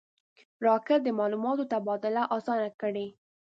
راکټ د معلوماتو تبادله آسانه کړې